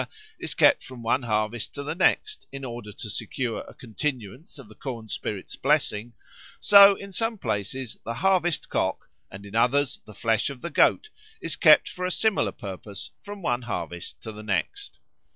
is kept from one harvest to the next in order to secure a continuance of the corn spirit's blessing, so in some places the Harvest cock and in others the flesh of the goat is kept for a similar purpose from one harvest to the next.